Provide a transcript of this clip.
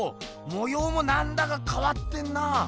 もようもなんだかかわってんな。